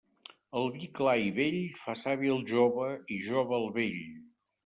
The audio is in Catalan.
El vi clar i vell fa savi el jove i jove el vell.